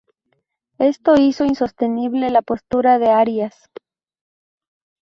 Esto hizo insostenible la postura de Arias.